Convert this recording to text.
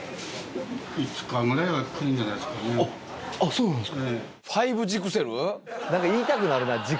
そうなんですか。